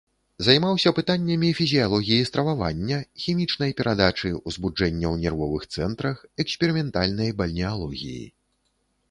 Займаўся пытаннямі фізіялогіі стрававання, хімічнай перадачы ўзбуджэння ў нервовых цэнтрах, эксперыментальнай бальнеалогіі.